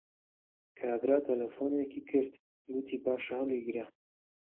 کابرا تەلەفۆنێکی کرد، گوتی باشە هەڵیگرە